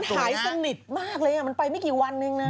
หายสนิทมากเลยมันไปไม่กี่วันเองนะ